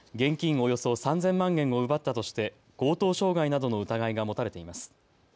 およそ３０００万円を奪ったとして強盗傷害などの疑いが持たれています。